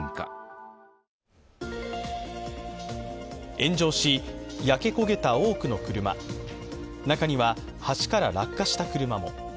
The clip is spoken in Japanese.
炎上し、焼け焦げた多くの車、中には橋から落下した車も。